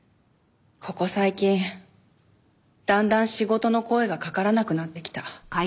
ここ最近だんだん仕事の声がかからなくなってきた。